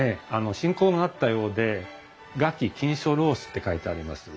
親交があったようで「臥起弄琴書」って書いてあります。